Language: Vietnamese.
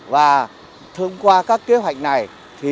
và thông qua các kế hoạch này